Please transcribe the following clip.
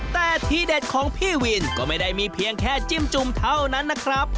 แต่ที่เด็ดของพี่วินก็ไม่ได้มีเพียงแค่จิ้มจุ่มเท่านั้นนะครับ